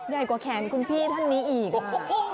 ใหญ่กว่าแขนคุณพี่ท่านนี้อีก